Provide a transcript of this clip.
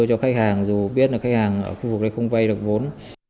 cho khách hàng dù biết là khách hàng ở khu vực đây không vay được vốn